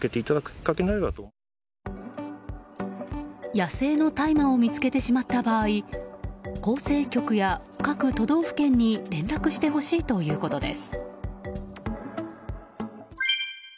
野生の大麻を見つけてしまった場合厚生局や各都道府県に連絡してほしいということです。